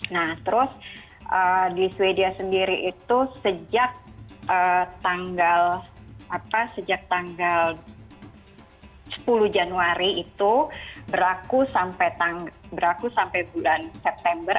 nah terus di sweden sendiri itu sejak tanggal sepuluh januari itu berlaku sampai bulan september